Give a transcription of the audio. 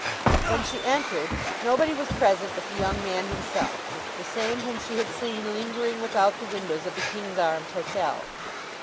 When she entered nobody was present but the young man himself—the same whom she had seen lingering without the windows of the King's Arms Hotel.